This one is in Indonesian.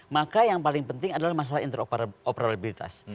maka yang paling penting adalah masalah interoperabilitas